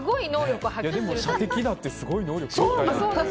でも射的だってすごい能力。